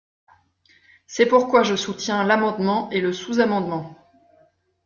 C’est pourquoi je soutiens l’amendement et le sous-amendement.